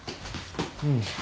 うん。